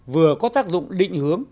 vừa có tác dụng định hướng